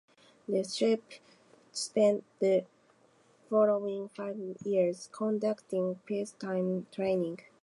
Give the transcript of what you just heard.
The ship spent the following five years conducting peacetime training.